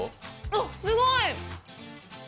あっすごい！